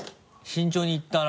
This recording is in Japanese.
慎重にいったな。